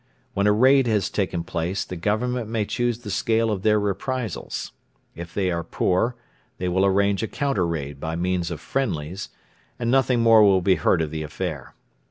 When a raid has taken place, the Government may choose the scale of their reprisals. If they are poor, they will arrange a counter raid by means of 'friendlies,' and nothing more will be heard of the affair.